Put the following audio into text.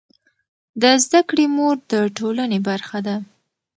د زده کړې مور د ټولنې برخه ده.